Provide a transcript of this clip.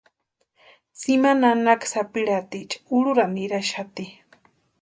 Tsimani nanaka sapirhatiecha urhurani niraxati.